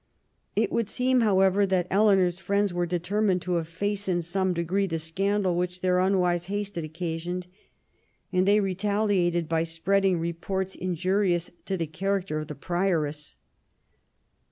It would seem, however, that Eleanor's friends were determined to efface in some degree the scandal which their unwise haste had occasioned, and they retaliated by spreading reports injurious to the character of the prioress.